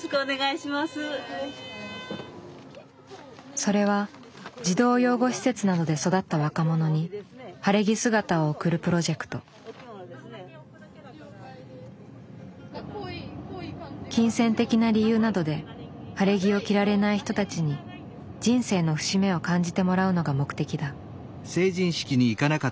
それは児童養護施設などで育った若者に金銭的な理由などで晴れ着を着られない人たちに人生の節目を感じてもらうのが目的だ。